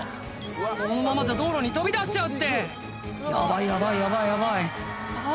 このままじゃ道路に飛び出しちゃうってヤバいヤバいヤバいヤバい！